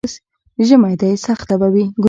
ژمی دی، سخته به وي.